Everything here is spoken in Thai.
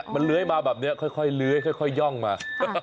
มันเลื้อยมาแบบนี้ค่อยเลื้อยค่อยย่องมา